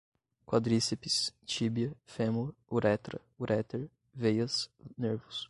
quadríceps, tíbia, fêmur, uretra, uréter, veias, nervos